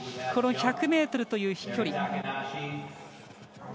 この１００ｍという飛距離。